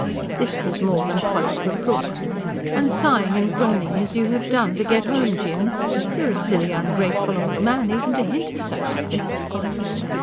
This was more than Polly could brook. "And sighing and groaning as you have done to get home, Jim! You're a silly, ungrateful old man, even to hint at such a thing."